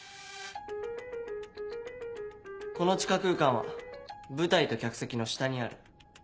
この地下空間は舞台と客席の下にある。